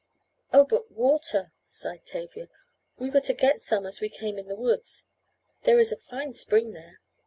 "Oh, but water," sighed Tavia. "We were to get some as we came in the woods. There is a fine spring there."